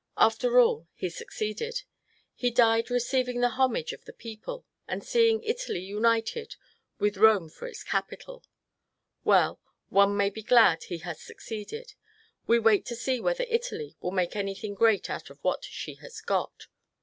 After all, he succeeded. He died receiving the homage of the people, and seeing Italy united, with Kome for its capital. Well, one may be glad he has succeeded. We wait to see whether Italy will make any thing great out of what she has got.